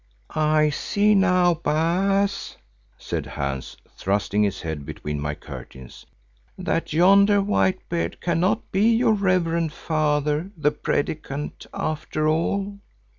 "I see now, Baas," said Hans, thrusting his head between my curtains, "that yonder Whitebeard cannot be your reverend father, the Predikant, after all."